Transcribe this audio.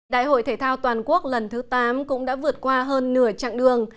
đại hội thể thao toàn quốc lần thứ tám cũng đã vượt qua hơn nửa chặng đường